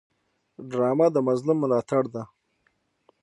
ډرامه د مظلوم ملاتړ ده